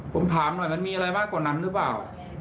ผมถามหน่อยมันมีอะไรมากกว่านั้นหรือเปล่า